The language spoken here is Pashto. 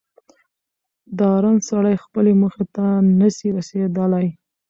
ډارن سړی خپلي موخي ته نه سي رسېدلاي